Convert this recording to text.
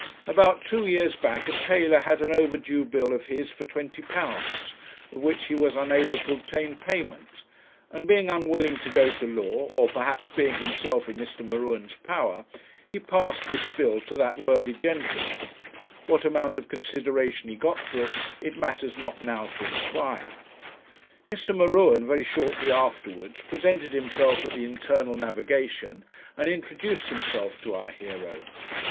About two years back a tailor had an over due bill of his for £20, of which he was unable to obtain payment, and being unwilling to go to law, or perhaps being himself in Mr. M'Ruen's power, he passed this bill to that worthy gentleman what amount of consideration he got for it, it matters not now to inquire; Mr. M'Ruen very shortly afterwards presented himself at the Internal Navigation, and introduced himself to our hero.